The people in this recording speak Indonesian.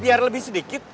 biar lebih sedikit